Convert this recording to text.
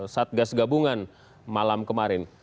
satgas gabungan malam kemarin